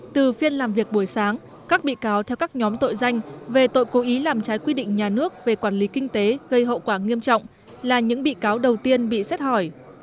từ phiên làm việc buổi sáng các bị cáo theo các nhóm tội danh về tội cố ý làm trái quy định nhà nước về quản lý kinh tế gây hậu quả nghiêm trọng là những bị cáo đầu tiên bị xét hỏi